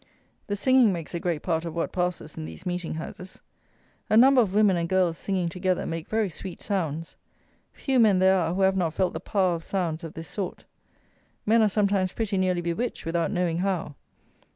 The singing makes a great part of what passes in these meeting houses. A number of women and girls singing together make very sweet sounds. Few men there are who have not felt the power of sounds of this sort. Men are sometimes pretty nearly bewitched without knowing how.